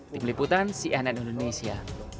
tim liputan cnn indonesia